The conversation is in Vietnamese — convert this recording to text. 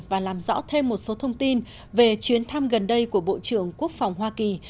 và làm rõ thêm một số thông tin về chuyến thăm gần đây của bộ trưởng quốc phòng hoa kỳ